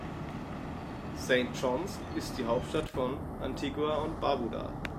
St. John’s ist die Hauptstadt von Antigua und Barbuda.